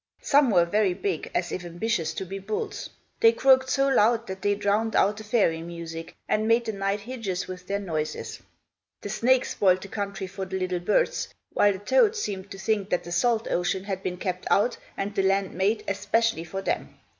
Some were very big, as if ambitious to be bulls. They croaked so loud, that they drowned out the fairy music, and made the night hideous with their noises. The snakes spoiled the country for the little birds, while the toads seemed to think that the salt ocean had been kept out, and the land made, especially for them.